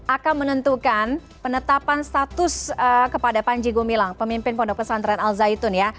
akan menentukan penetapan status kepada panji gumilang pemimpin pondok pesantren al zaitun ya